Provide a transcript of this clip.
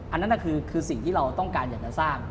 อันนั้นคือสิ่งที่เราต้องการอยากจะสร้าง